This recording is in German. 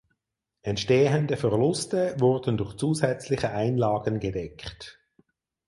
Entstehende Verluste wurden durch zusätzliche Einlagen gedeckt.